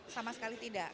sama sekali tidak